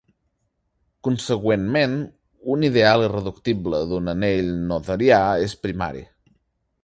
Consegüentment, un ideal irreductible d'un anell noetherià és primari.